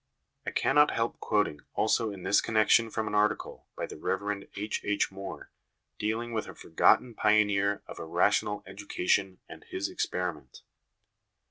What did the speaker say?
I cannot help quoting also in this connection from an article 1 by the Rev. H. H. Moore dealing with a forgotten pioneer of a rational education and his experiment.